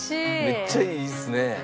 めっちゃいいっすね。